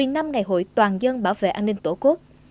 một mươi năm ngày hội toàn dân bảo vệ an ninh tổ quốc